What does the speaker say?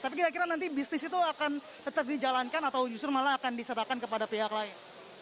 tapi kira kira nanti bisnis itu akan tetap dijalankan atau justru malah akan diserahkan kepada pihak lain